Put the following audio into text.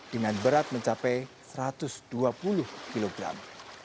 dengan berat mencapai satu ratus dua puluh kilogram